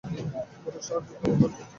পুরো শহরকে কভার করবে।